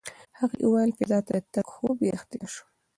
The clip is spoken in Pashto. هغې وویل فضا ته د تګ خوب یې رښتیا شو.